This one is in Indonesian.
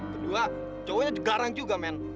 kedua cowoknya juga garang juga men